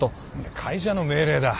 会社の命令だ。